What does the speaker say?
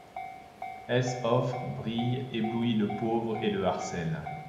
S. offre, brille, éblouit le pauvre, et le harcèle.